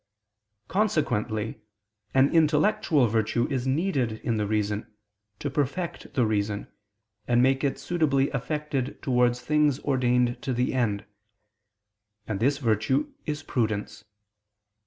Consequently an intellectual virtue is needed in the reason, to perfect the reason, and make it suitably affected towards things ordained to the end; and this virtue is prudence.